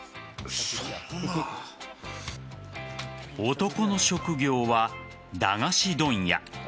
男の職業は駄菓子問屋。